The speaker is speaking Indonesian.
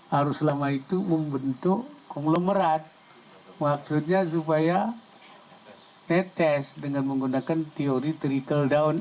harus lama itu membentuk konglomerat waktunya supaya tetes dengan menggunakan teori trikledown